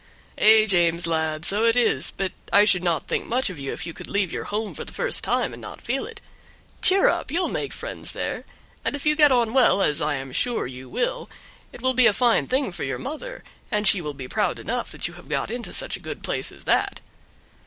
"Ay, James, lad, so it is; but I should not think much of you if you could leave your home for the first time and not feel it. Cheer up, you'll make friends there; and if you get on well, as I am sure you will, it will be a fine thing for your mother, and she will be proud enough that you have got into such a good place as that."